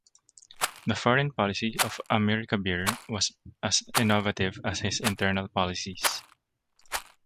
The foreign policy of Amir Kabir was as innovative as his internal policies.